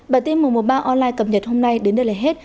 bản tin mùa mùa ba online cập nhật hôm nay đến đây là hết